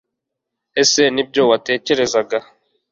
ese nibyo watekerezaga